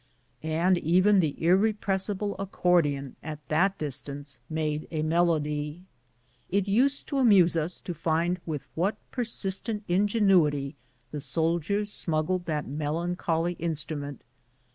And even the irrepressible accordeon at that distance made a melody. It used to amuse us to find with what per sistent ingenuity the soldiers smuggled that melancholy instrument.